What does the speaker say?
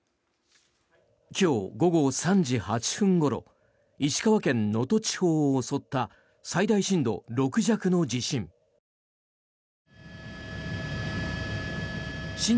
今日午後３時８分ごろ石川県能登地方を襲った最大震度６弱の地震。